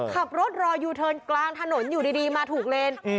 ขับรถรอยูเทิร์นกลางถนนอยู่ดีมาถูกเลน